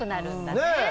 ねえ。